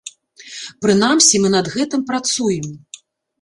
Прынамсі, мы над гэтым працуем.